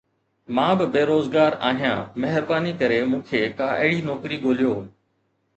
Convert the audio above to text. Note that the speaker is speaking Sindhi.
مان به بيروزگار آهيان، مهرباني ڪري مون کي ڪا اهڙي نوڪري ڳوليو